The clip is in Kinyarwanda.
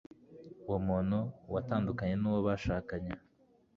uwo muntu watandukanye n'uwo bashakanye